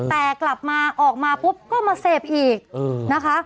แต่กลับมาออกมาปุ๊บก็มาเสพอีกนะคะ